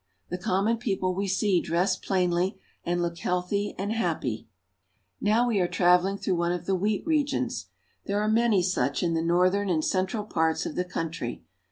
The common people we see dress plainly and look healthy and happy. "The road is as hard as stone." Now we are traveling through one of the wheat regions. There are many such in the northern and central parts of the country.